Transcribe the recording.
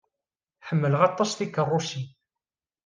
Ḥemmleɣ aṭas tikeṛṛusin.